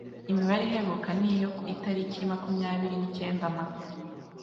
Imibare iheruka ni iyo ku itariki makumyabiri nicyenda Mata